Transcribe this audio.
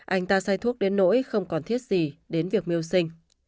anh ta say thuốc đến nỗi không còn thiết gì đến việc miêu sinh